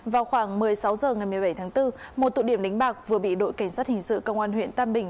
vào khoảng một mươi sáu h ngày một mươi bảy tháng bốn một tụ điểm đánh bạc vừa bị đội cảnh sát hình sự công an huyện tam bình